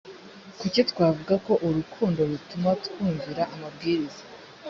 kuki twavuga ko urukundo rutuma twumvira amabwiriza